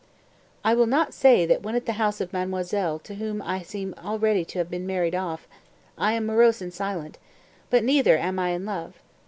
192. "I will not say that when at the house of the Mademoiselle to whom I seem already to have been married off, I am morose and silent; but neither am I in love.